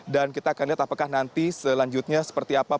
dan kita akan lihat apakah nanti selanjutnya seperti apa pertemuan